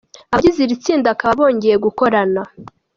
Abagize iri tsinda bakaba bongeye gukorana.